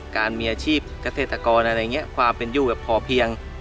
การมีอาชีพเกษตรกรอะไรอย่างนี้ความเป็นอยู่แบบพอเพียง